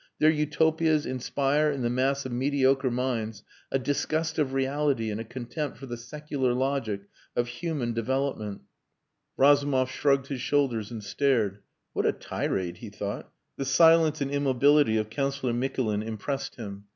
Their Utopias inspire in the mass of mediocre minds a disgust of reality and a contempt for the secular logic of human development." Razumov shrugged his shoulders and stared. "What a tirade!" he thought. The silence and immobility of Councillor Mikulin impressed him.